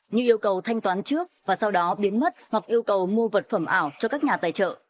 như yêu cầu thanh toán trước và sau đó biến mất hoặc yêu cầu mua vật phẩm ảo cho các nhà tài trợ